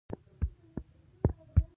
پر بخت بيداره